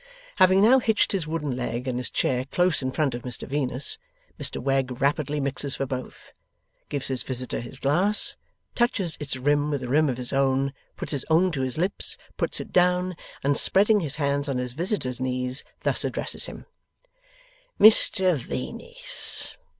Having now hitched his wooden leg and his chair close in front of Mr Venus, Mr Wegg rapidly mixes for both, gives his visitor his glass, touches its rim with the rim of his own, puts his own to his lips, puts it down, and spreading his hands on his visitor's knees thus addresses him: 'Mr Venus.